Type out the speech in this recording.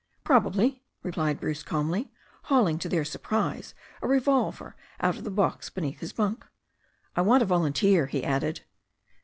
"Probably," replied Bruce calmly, hauling, to their sur prise, a revolver out of the box beneath his bunk. "I want a volunteer," he added.